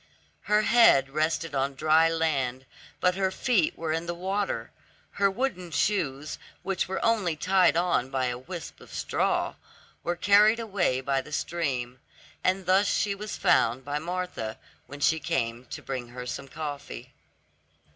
Her head rested on dry land, but her feet were in the water; her wooden shoes, which were only tied on by a wisp of straw, were carried away by the stream, and thus she was found by Martha when she came to bring her some coffee.